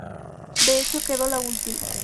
De hecho, quedó la última.